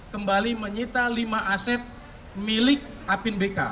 kembali menyita lima aset milik apin bk